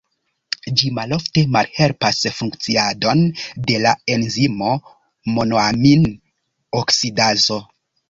Ĝi malforte malhelpas funkciadon de la enzimo monoamin-oksidazo.